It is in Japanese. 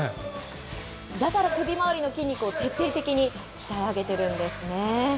だから首回りの筋肉を徹底的に鍛え上げているんですね。